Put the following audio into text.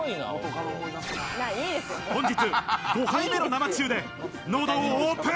本日５杯目の生中で喉をオープン。